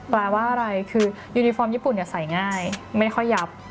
แปลว่าอะไรคือยูนิฟอร์มญี่ปุ่นใส่ง่ายไม่ค่อยยับ